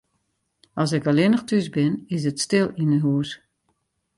As ik allinnich thús bin, is it stil yn 'e hûs.